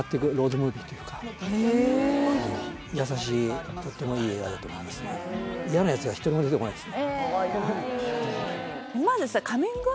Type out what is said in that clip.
ムービーというか優しいとってもいい映画だと思いますね嫌なヤツが一人も出てこないですね